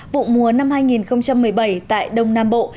vụ mùa năm hai nghìn một mươi bảy tại đông nam bộ